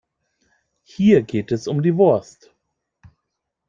Hier geht es um die Wurst.